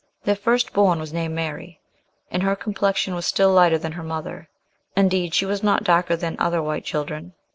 Their first born was named Mary, and her complexion was still lighter than her mother. Indeed she was not darker than other white children.